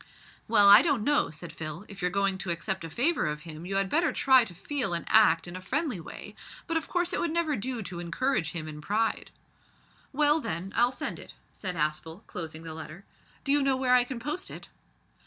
"Well, I don't know," said Phil; "if you're going to accept a favour of him you had better try to feel and act in a friendly way, but of course it would never do to encourage him in pride." "Well then, I'll send it," said Aspel, closing the letter; "do you know where I can post it?"